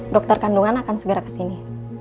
dokter kandungan akan segera ke sini